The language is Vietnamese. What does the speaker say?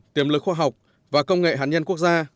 tiềm lực khoa học và công nghệ hạt nhân quốc gia